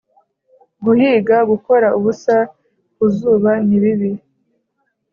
guhiga, gukora ubusa ku zuba, nibibi